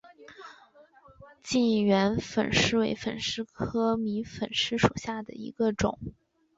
近圆粉虱为粉虱科迷粉虱属下的一个种。